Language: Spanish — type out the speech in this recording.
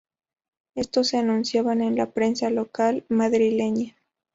Estos se anunciaban en la prensa local madrileña.